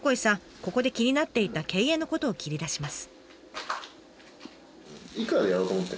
ここで気になっていた経営のことを切り出します。